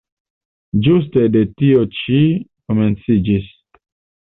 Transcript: Ĝuste de tio ĉio komenciĝis.